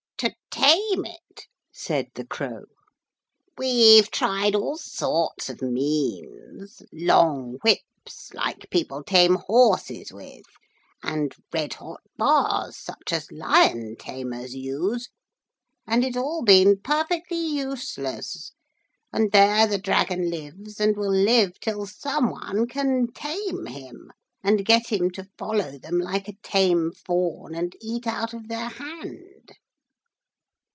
To tame it,' said the Crow. 'We've tried all sorts of means long whips, like people tame horses with, and red hot bars, such as lion tamers use and it's all been perfectly useless; and there the dragon lives, and will live till some one can tame him and get him to follow them like a tame fawn, and eat out of their hand.'